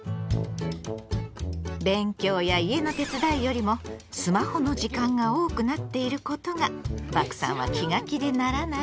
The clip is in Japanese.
勉強や家の手伝いよりもスマホの時間が多くなっていることがバクさんは気が気でならない。